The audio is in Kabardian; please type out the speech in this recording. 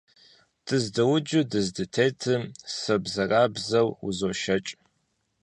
Дыздэуджу дыздытетым собзэрабзэурэ узошэкӀ.